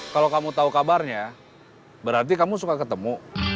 kalau kamu tahu kabarnya berarti kamu suka ketemu